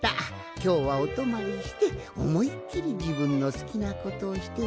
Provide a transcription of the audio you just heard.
きょうはおとまりしておもいっきりじぶんのすきなことをしてすごすといい。